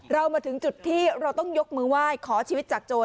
เรามาถึงจุดที่เราต้องยกมือไหว้ขอชีวิตจากโจร